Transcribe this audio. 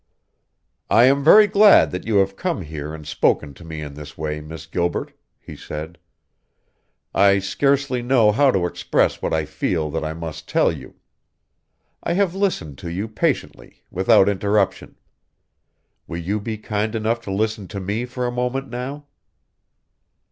"I am very glad that you have come here and spoken to me in this way, Miss Gilbert," he said. "I scarcely know how to express what I feel that I must tell you. I have listened to you patiently, without interruption. Will you be kind enough to listen to me for a moment now?"